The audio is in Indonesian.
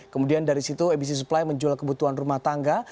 kemudian dari situ abc supply menjual kebutuhan rumah tangga